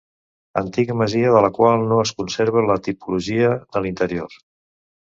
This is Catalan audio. Antiga masia, de la qual no es conserva la tipologia de l'interior.